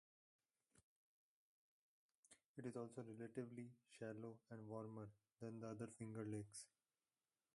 It is also relatively shallow and warmer than the other Finger Lakes.